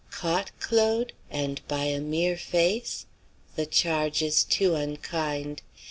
Caught, Claude? And by a mere face? The charge is too unkind.